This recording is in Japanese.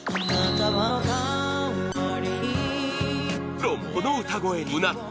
プロもその歌声に唸った！